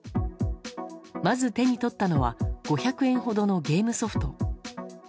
まず手に取ったのが５００円ほどのゲームソフト。